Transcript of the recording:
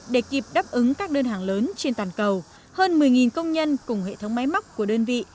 để kịp đáp ứng các đơn hàng lớn trên toàn cầu hơn một mươi công nhân cùng hệ thống máy móc của đơn vị